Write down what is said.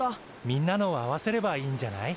みんなのを合わせればいいんじゃない？